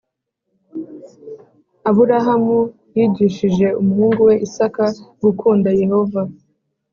Aburahamu yigishije umuhungu we Isaka gukunda Yehova